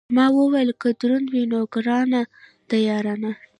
ما ویل که دروند وي، نو ګرانه ده یارانه.